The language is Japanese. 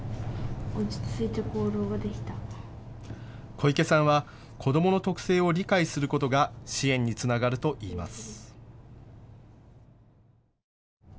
小池さんは子どもの特性を理解することが支援につながるといいます。